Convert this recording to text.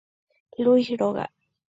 Luis róga.